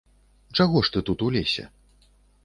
Чаго ж ты тут у лесе?